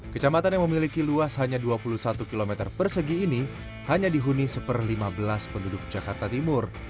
kecamatan yang memiliki luas hanya dua puluh satu km persegi ini hanya dihuni satu per lima belas penduduk jakarta timur